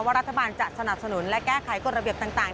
รัฐบาลจะสนับสนุนและแก้ไขกฎระเบียบต่าง